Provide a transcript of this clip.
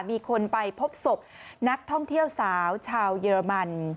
มีคนไปพบศพนักท่องเที่ยวสาวชาวเยอรมัน